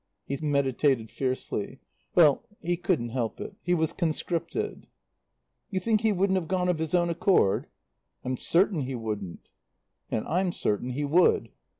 He meditated fiercely. "Well he couldn't help it. He was conscripted." "You think he wouldn't have gone of his own accord?" "I'm certain he wouldn't." "And I'm certain he would."